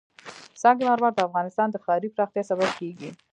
سنگ مرمر د افغانستان د ښاري پراختیا سبب کېږي.